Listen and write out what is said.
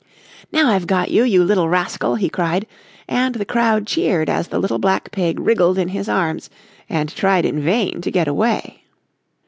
"Now I've got you, you little rascal!" he cried, and the crowd cheered as the little black pig wriggled in his arms and tried in vain to get away.